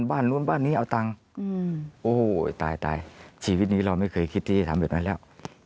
อันนี้เอาตังค์โอ้โหตายชีวิตนี้เราไม่เคยคิดที่จะทำเหมือนกันแล้ว